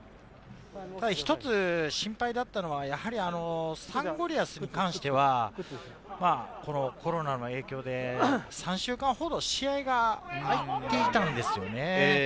一つ心配だったのは、サンゴリアスに関しては、コロナの影響で３週間ほど試合があいてたんですよね。